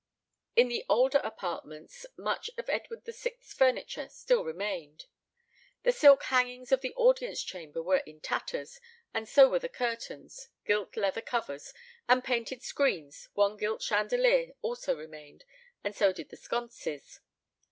In the older apartments much of Edward VI.'s furniture still remained. The silk hangings of the audience chamber were in tatters, and so were the curtains, gilt leather covers, and painted screens; one gilt chandelier also remained, and so did the sconces.